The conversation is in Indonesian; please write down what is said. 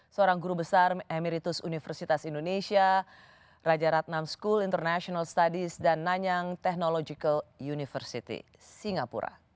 seorang guru besar amiritus universitas indonesia raja ratnam school international studies dan nanyang technological university singapura